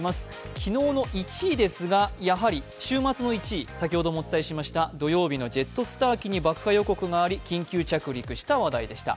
昨日の１位ですが、やはり週末の１位、先ほどもお伝えしました土曜日のジェットスター機に爆破予告があり緊急着陸した話題でした。